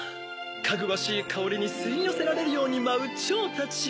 かぐわしいかおりにすいよせられるようにまうチョウたち！